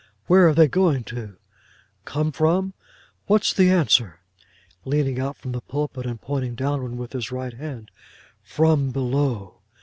Where are they going to?—Come from! What's the answer?'—leaning out of the pulpit, and pointing downward with his right hand: 'From below!